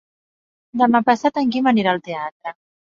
Demà passat en Guim anirà al teatre.